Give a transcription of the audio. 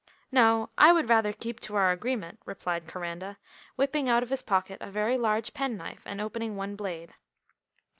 "No, I would rather keep to our agreement," replied Coranda, whipping out of his pocket a very large penknife and opening one blade.